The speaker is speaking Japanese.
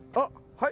はい。